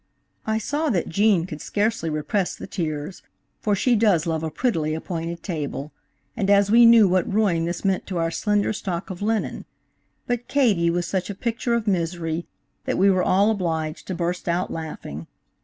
LITTLE HELEN. I saw that Gene could scarcely repress the tears, for she does love a prettily appointed table, and we knew what ruin this meant to our slender stock of linen; but Katie was such a picture of misery that we were all obliged to burst out laughing.